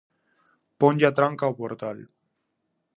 Ponlle a tranca ao portal.